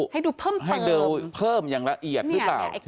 ให้ดูเพิ่มเติมให้ดูเพิ่มอย่างละเอียดหรือเปล่า